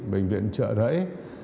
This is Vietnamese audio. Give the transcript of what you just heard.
bệnh viện trợ rẫy